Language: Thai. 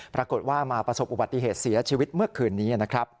ปรากฏว่ามาประสบอุบัติเหตุเสียชีวิตเมื่อคืนนี้นะครับ